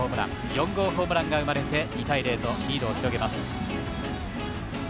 ４号ホームランが生まれて２対０とリードを広げます。